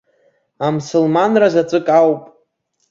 Амсылманра заҵәык ауп!